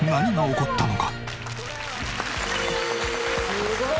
すごい。